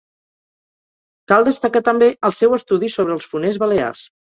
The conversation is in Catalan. Cal destacar també el seu estudi sobre els foners balears.